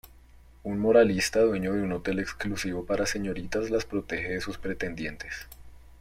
Un moralista dueño de un hotel exclusivo para señoritas las protege de sus pretendientes.